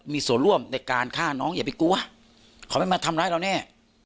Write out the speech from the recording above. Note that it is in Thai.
มีส่วนร่วมในการฆ่าน้องอย่าไปกลัวเขาไม่มาทำร้ายเราแน่